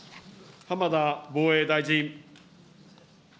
浜田防衛大臣。